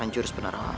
aku akan menang